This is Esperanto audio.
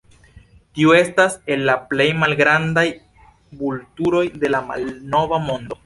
Tiu estas el la plej malgrandaj vulturoj de la Malnova Mondo.